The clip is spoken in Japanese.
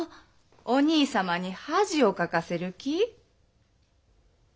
お兄様に恥をかかせる気？